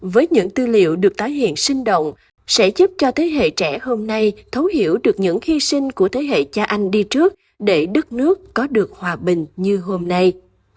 với những tư liệu được tái hiện sinh động sẽ giúp cho thế hệ trẻ hôm nay thấu hiểu được những hy sinh của thế hệ cha anh đi trước để đất nước có được hòa bình như hôm nay